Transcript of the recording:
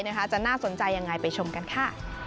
จะน่าสนใจยังไงไปชมกันค่ะ